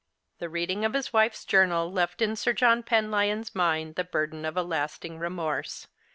The reading of his wife's journal left in Sir John Penlyon's mind the burden of a lasting remorse.